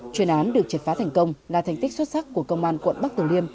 chuyên án được triệt phá thành công là thành tích xuất sắc của công an quận bắc tử liêm